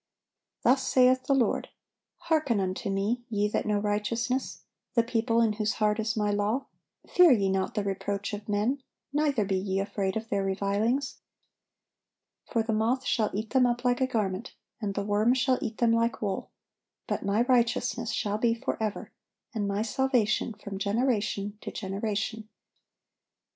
Thus saith the Lord: "Hearken unto Me, ye that know righteousness, the people in whose heart is My law; fear ye not the reproach of men, neither be ye afraid of their revilings. For the moth shall eat them up like a garment, and the worm shall eat them like wool: but My righteousness shall be forever, and My salvation from generation to generation."